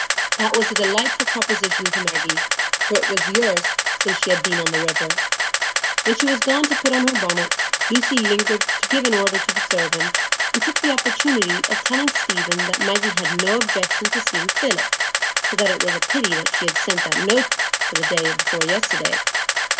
That was a delightful proposition to Maggie, for it was years since she had been on the river. When she was gone to put on her bonnet, Lucy lingered to give an order to the servant, and took the opportunity of telling Stephen that Maggie had no objection to seeing Philip, so that it was a pity she had sent that note the day before yesterday.